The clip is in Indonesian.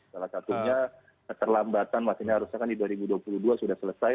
salah satunya keterlambatan maksudnya harusnya kan di dua ribu dua puluh dua sudah selesai